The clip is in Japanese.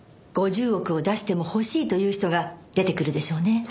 ５０億を出しても欲しいという人が出てくるでしょうね。